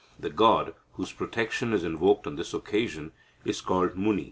The god, whose protection is invoked on this occasion, is called Muni.